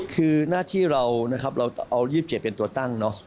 คือหน้าที่เรานะครับเราเอา๒๗เป็นตัวตั้งเนอะ